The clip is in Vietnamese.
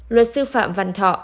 luật sư phạm văn thọ